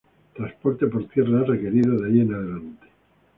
Transporte por tierra es requerido de ahí en adelante.